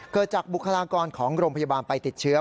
เกิดจากบุคลากรของโรงพยาบาลไปติดเชื้อ